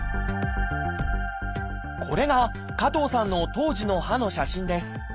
これが加藤さんの当時の歯の写真です。